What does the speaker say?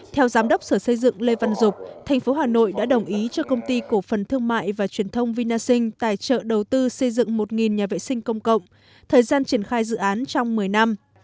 theo giám đốc sở xây dựng lê văn dục thành phố hà nội đã đồng ý cho công ty cổ phần thương mại và truyền thông vinasing tài trợ đầu tư xây dựng một nhà vệ sinh công cộng thời gian triển khai dự án trong một mươi năm